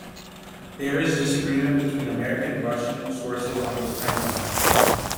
There is disagreement between American and Russian sources on the timeline.